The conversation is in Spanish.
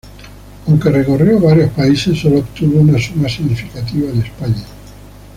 Aunque recorrió varios países, sólo obtuvo una suma significativa en España.